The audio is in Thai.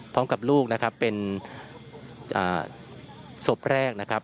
พร้อมกับลูกนะครับเป็นศพแรกนะครับ